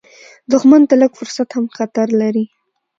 دښمن ته لږ فرصت هم خطر لري